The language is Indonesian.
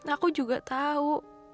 aku juga tau